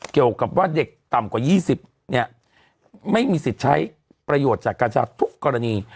เกี่ยวกับว่าเด็กต่ำกว่า๒๐เนี่ยไม่มีสิทธิ์ใช้ประโยชน์จากกัญชาทุกกรณี